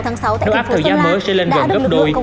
nỗ áp thời gian mới sẽ lên gần gấp đôi